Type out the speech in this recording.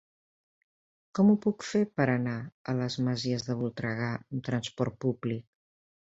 Com ho puc fer per anar a les Masies de Voltregà amb trasport públic?